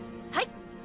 はい！